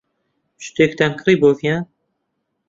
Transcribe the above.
شتێکتان کڕی بۆ ڤیان.